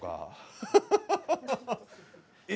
ハハハ！え！